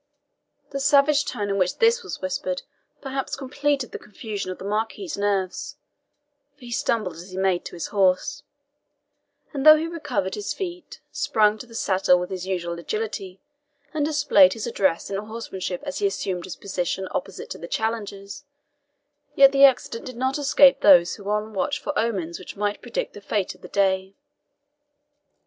The savage tone in which this was whispered perhaps completed the confusion of the Marquis's nerves, for he stumbled as he made to horse; and though he recovered his feet, sprung to the saddle with his usual agility, and displayed his address in horsemanship as he assumed his position opposite to the challenger's, yet the accident did not escape those who were on the watch for omens which might predict the fate of the day.